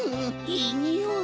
いいにおい！